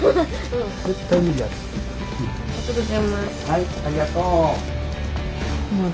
はいありがとう。